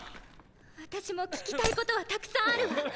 私も聞きたいことは沢山あるわ。